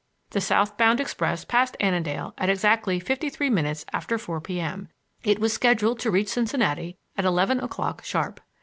The south bound express passed Annandale at exactly fifty three minutes after four P. M. It was scheduled to reach Cincinnati at eleven o'clock sharp.